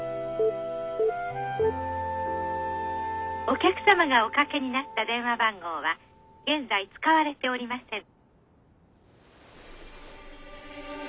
「お客様がお掛けになった電話番号は現在使われておりません」。